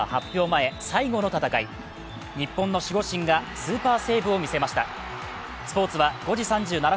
前、最後の戦い、日本の守護神がスーパーセーブを見せました。